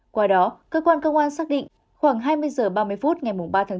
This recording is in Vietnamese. qua đó cơ quan công an xác định khoảng hai mươi h ba mươi phút ngày ba bốn